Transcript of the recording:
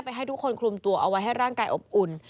ให้ทุกคนคลุมตัวเอาไว้ให้ร่างกายอบอุ่น